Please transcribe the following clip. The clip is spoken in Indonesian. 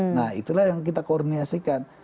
nah itulah yang kita koordinasikan